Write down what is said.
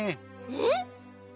えっ！？